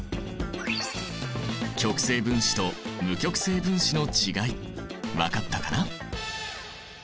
極性分子と無極性分子の違い分かったかな？